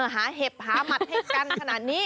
เห็บหาหมัดให้กันขนาดนี้